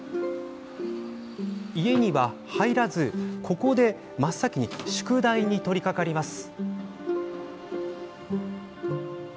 家には入らず、ここで真っ先に宿題に取りかかります。